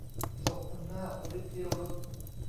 ทรงอำนาจฤทธิรุทธ์